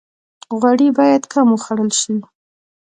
غوړي باید کم وخوړل شي